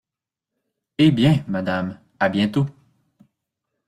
Eh! bien, madame, à bientôt.